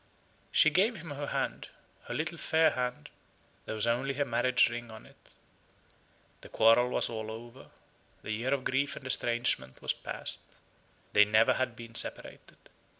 She gave him her hand, her little fair hand; there was only her marriage ring on it. The quarrel was all over. The year of grief and estrangement was passed. They never had been separated.